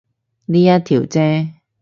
呢一條啫